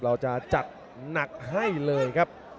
เราจะจัดหนักให้เลยครับ